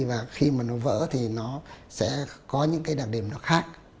và khi mà nó vỡ thì nó sẽ có những cái đặc điểm nó khác